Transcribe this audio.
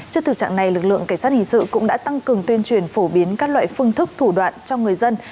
trước thực trạng này lực lượng cảnh sát hình sự cũng đã tăng cường tuyên truyền phổ biến các loại phương thức thủ đoạn cho người dân